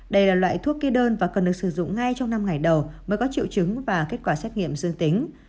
đây là loại thuốc kê đơn và cần được sử dụng ngay trong năm ngày đầu mới có triệu chứng và kết quả xét nghiệm dương tính